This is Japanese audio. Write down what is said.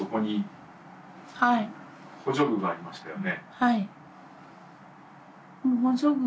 はい。